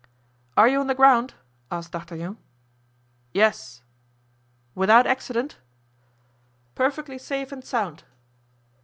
"Are you on the ground?" asked D'Artagnan. "Yes." "Without accident?" "Perfectly safe and sound."